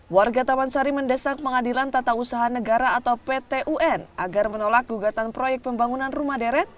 warga taman sari mendesak pengadilan tata usaha negara atau pt un agar menolak gugatan proyek pembangunan rumah deret